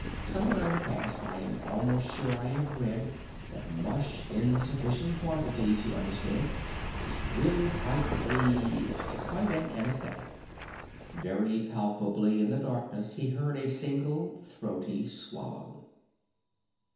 Somewhere in the past I am almost sure I have read that mush in sufficient quantities, you understand, is really quite a quite an anesthetic." Very palpably in the darkness he heard a single throaty swallow.